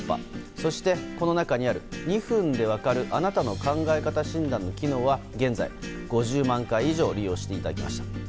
そして、この中にある２分で分かるあなたの考え方診断の機能は現在、５０万回以上利用していただきました。